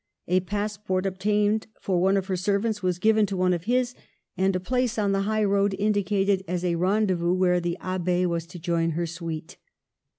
A passport obtained for one of her servants was given to one of his, and a place on the high road indicated as a rendezvous where the Abb6 was to join her suite.